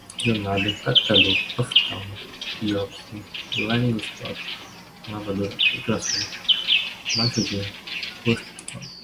lonado, impactador, oftalmo, biópsia, laringoscópio, lavadora, ultrassônica, machadinha, cortical